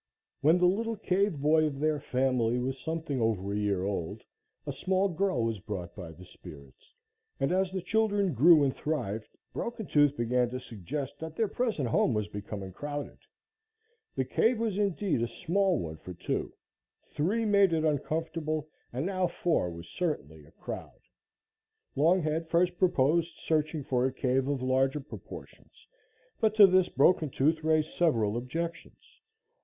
When the little cave boy of their family was something over a year old, a small girl was brought by the spirits, and as the children grew and thrived, Broken Tooth began to suggest that their present home was becoming crowded. The cave was indeed a small one for two, three made it uncomfortable, and now four was certainly a crowd. Longhead first proposed searching for a cave of larger proportions, but to this Broken Tooth raised several objections.